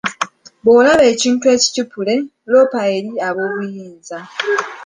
Bw'olaba ekintu ekicupule, loopa eri aboobuyinza.